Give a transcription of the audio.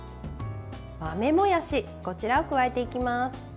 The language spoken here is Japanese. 豆もやしを加えていきます。